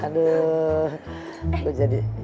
aduh kok jadi